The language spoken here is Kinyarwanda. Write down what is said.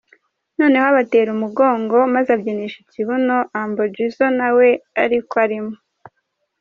noneho abatera umugongo maze abyinisha ikibuno Humble Gizzo nawe ariko arimo.